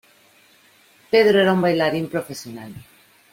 Pedro era un bailarín profesional.